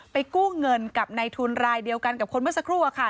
กู้เงินกับในทุนรายเดียวกันกับคนเมื่อสักครู่อะค่ะ